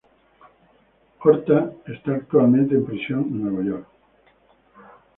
Orta está actualmente en prisión en Nueva York.